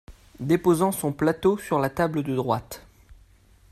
Déposant son plateau sur la table de droite.